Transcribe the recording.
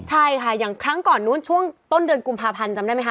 ใช่ค่ะอย่างครั้งก่อนนู้นช่วงต้นเดือนกุมภาพันธ์จำได้ไหมคะ